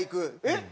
えっ？